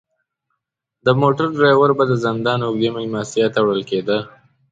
د موټر دریور به د زندان اوږدې میلمستیا ته وړل کیده.